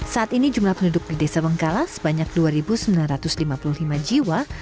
saat ini jumlah penduduk di desa bengkala sebanyak dua sembilan ratus lima puluh lima jiwa